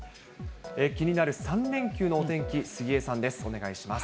気になる３連休のお天気、杉江さんです、お願いします。